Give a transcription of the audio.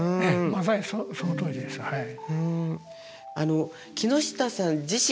まさにそのとおりですはい。